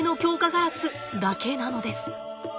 ガラスだけなのです。